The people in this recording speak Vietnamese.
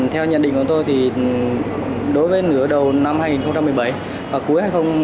theo nhận định của tôi thì đối với nửa đầu năm hai nghìn một mươi bảy và cuối hai nghìn một mươi tám